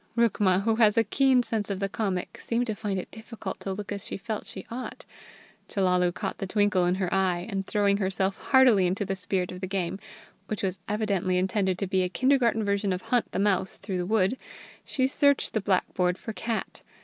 Rukma, who has a keen sense of the comic, seemed to find it difficult to look as she felt she ought. Chellalu caught the twinkle in her eye, and throwing herself heartily into the spirit of the game, which was evidently intended to be a kindergarten version of Hunt the Mouse through the Wood, she searched the blackboard for cat.